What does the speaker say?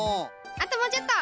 あともうちょっと！